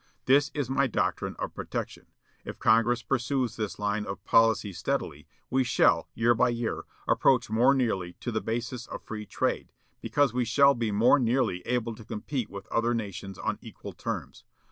This is my doctrine of protection. If Congress pursues this line of policy steadily, we shall, year by year, approach more nearly to the basis of free trade, because we shall be more nearly able to compete with other nations on equal terms.